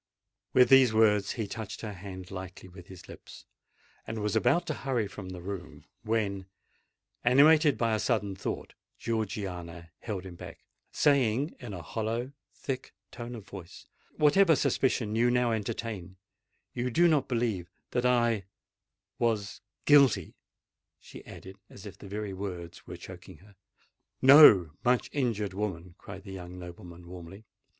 With these words he touched her hand lightly with his lips, and was about to hurry from the room; when, animated by a sudden thought, Georgiana held him back, saying in a hollow, thick tone of voice, "Whatever suspicion you now entertain—you do not believe that I—was guilty?" she added, as if the very words were choking her. "No, much injured woman!" cried the young nobleman warmly.